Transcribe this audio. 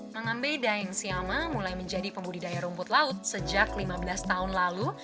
nganambe daeng siama mulai menjadi pembudidaya rumput laut sejak lima belas tahun lalu